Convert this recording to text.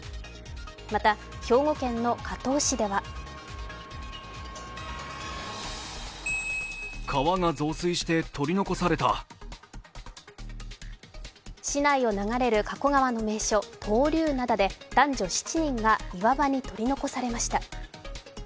また、兵庫県加東市では市内を流れる加古川の名所、闘竜灘で男女７人が岩場に取り残されました